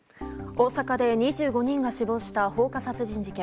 大阪で２５人が死亡した放火殺人事件。